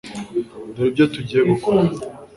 Dore ibyo tugiye gukora .